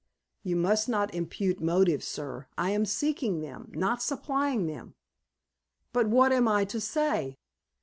"You must not impute motives, sir. I am seeking them, not supplying them." "But what am I to say?"